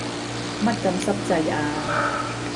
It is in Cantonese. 乜咁濕滯呀？